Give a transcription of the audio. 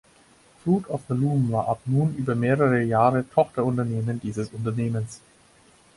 Fruit of the Loom war ab nun über mehrere Jahre Tochterunternehmen dieses Unternehmens.